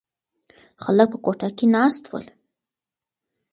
خلک په کوټه کې ناست ول.